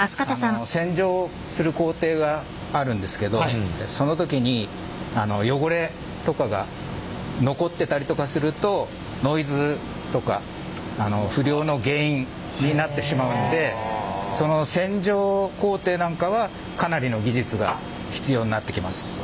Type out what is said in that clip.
洗浄する工程があるんですけどその時に汚れとかが残ってたりとかするとノイズとか不良の原因になってしまうのでその洗浄工程なんかはかなりの技術が必要になってきます。